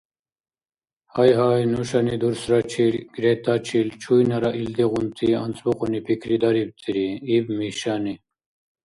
— Гьайгьай, нушани дурсрачир Гретачил чуйнара илдигъунти анцӀбукьуни пикридарибтири, – иб Мишани.